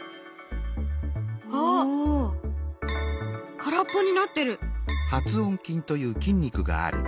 空っぽになってる！